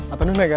apaan nih mega